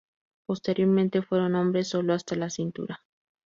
Posteriormente, fueron hombres sólo hasta la cintura.